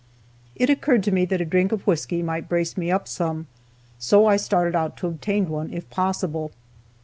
It occurred to me that a drink of whisky might brace me up some, so I started out to obtain one, if possible.